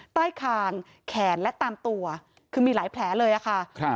ใต้คางแขนและตามตัวคือมีหลายแผลเลยอะค่ะ